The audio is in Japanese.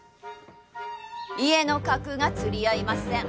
家の格が釣り合いません。